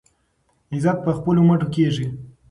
عزت په خپلو مټو کیږي.